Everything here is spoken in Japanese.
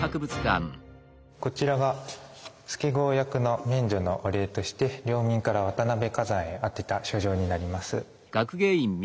こちらが助郷役の免除のお礼として領民から渡辺崋山へ宛てた書状になります。